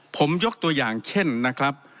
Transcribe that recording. ผมยกตัวอย่างเช่นนะครับ